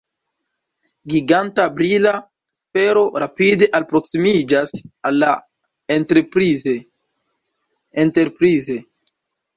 Giganta brila sfero rapide alproksimiĝas al la "Enterprise".